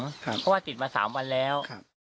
เพราะว่าติดมา๓วันแล้ว